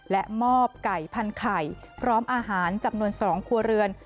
และมอบไก่พันไข่พร้อมอาหารจำนวน๒ครัวเรือน